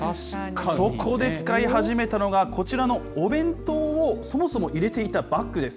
そこで使い始めたのが、こちらのお弁当をそもそも入れていたバッグです。